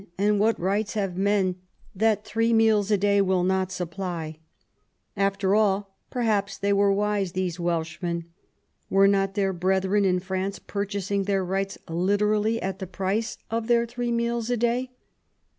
and what rights have men that three meals a day will not sup* ply ?*' After all, perhaps they were wise, these Welsh* men. Were not their brethren in France purchasing their rights literally at the price of their three meals a day?